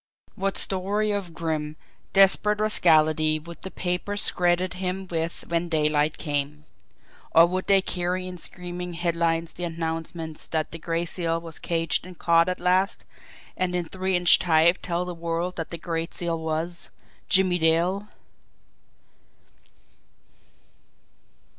What story of grim, desperate rascality would the papers credit him with when daylight came? Or would they carry in screaming headlines the announcement that the Gray Seal was caged and caught at last, and in three inch type tell the world that the Gray Seal was Jimmie Dale!